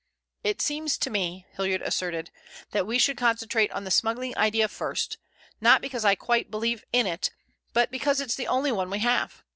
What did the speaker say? "It seems to me," Hilliard asserted, "that we should concentrate on the smuggling idea first, not because I quite believe in it, but because it's the only one we have.